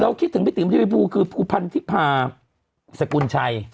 คิดถึงพี่ติ๋มทีวีภูคือภูพันธิพาสกุลชัย